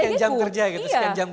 sekian jam kerja gitu